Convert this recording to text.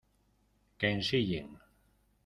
que ensillen.